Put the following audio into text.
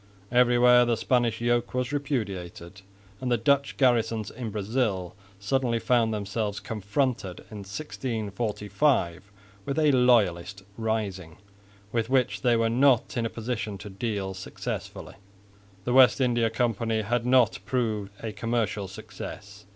Everywhere the Spanish yoke was repudiated, and the Dutch garrisons in Brazil suddenly found themselves confronted in 1645 with a loyalist rising, with which they were not in a position to deal successfully. The West India Company had not proved a commercial success.